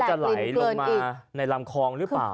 จะไหลลงมาในลำคลองหรือเปล่า